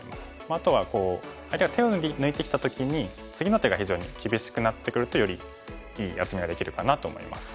あとは相手が手を抜いてきた時に次の手が非常に厳しくなってくるとよりいい厚みができるかなと思います。